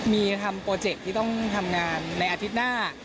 มีทำโปรเจคที่ต้องทำงานในอาทิตย์หน้า